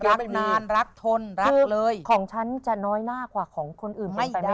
เขาเปิดกันเองโอเควงมัน